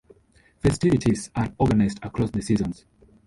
Festivities are organised across the seasons.